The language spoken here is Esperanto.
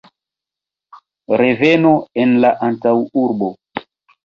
Reveno en la antaŭurbon.